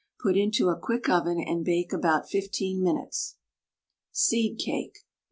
Put into a quick oven, and bake about 15 minutes. SEED CAKE (1).